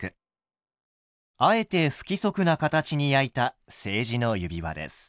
あえて不規則な形に焼いた青磁の指輪です。